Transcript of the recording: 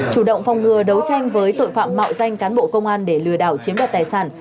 chủ động phòng ngừa đấu tranh với tội phạm mạo danh cán bộ công an để lừa đảo chiếm đoạt tài sản